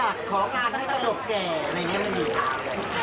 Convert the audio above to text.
อยากขอการให้ตลกแกในนี้ไม่มีทาง